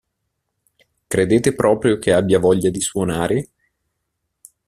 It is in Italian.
Credete proprio che abbia voglia di suonare?